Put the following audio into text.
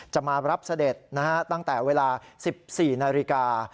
จะมารับเสด็จตั้งแต่เวลา๑๔นาฬิกา